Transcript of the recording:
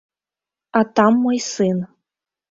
А там мой сын.